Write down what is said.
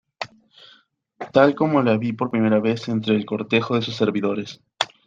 tal como la vi por vez primera entre el cortejo de sus servidores